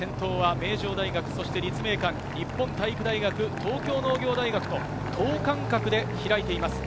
先頭は名城大学、立命館、日本体育大学、東京農業大学と等間隔で開いています。